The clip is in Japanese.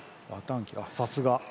さすが！